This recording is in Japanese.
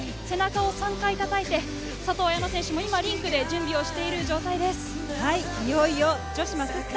背中を３回たたいて、佐藤綾乃選手もリンクで準備をしている状態です。